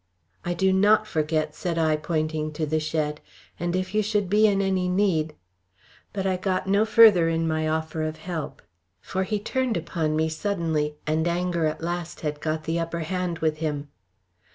"I do not forget," said I pointing to the shed. "And if you should be in any need " But I got no further in my offer of help; for he turned upon me suddenly, and anger at last had got the upper hand with him.